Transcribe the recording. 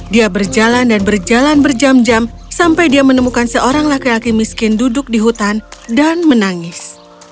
dia berjalan dan berjalan berjam jam sampai dia menemukan seorang laki laki miskin duduk di hutan dan menangis